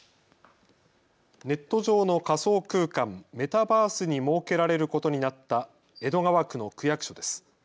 ネット上の仮想空間、メタバースに設けられることになった江戸川区の区役所です。